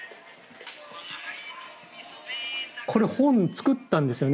これ本作ったんですよね？